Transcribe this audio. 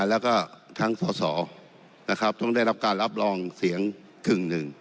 แล้วก็ทั้งสอสอนะครับต้องได้รับการรับรองเสียงกึ่งหนึ่ง